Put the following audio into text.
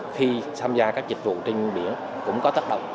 khi tham gia các dịch vụ trên biển cũng có tác động